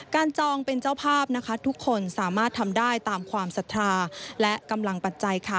จองเป็นเจ้าภาพนะคะทุกคนสามารถทำได้ตามความศรัทธาและกำลังปัจจัยค่ะ